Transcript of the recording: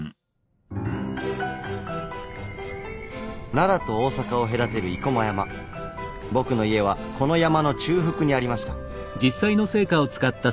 奈良と大阪を隔てる僕の家はこの山の中腹にありました。